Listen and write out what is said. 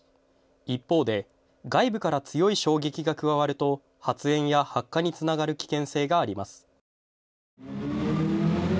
一方で、外部から強い衝撃が加わると発煙や発火につながる危険性があります。